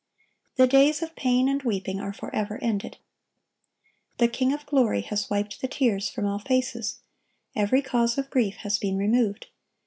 The days of pain and weeping are forever ended. The King of glory has wiped the tears from all faces; every cause of grief has been removed.